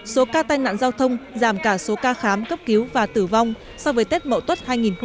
số ca tai nạn giao thông giảm cả số ca khám cấp cứu và tử vong so với tết mậu tuất hai nghìn một mươi chín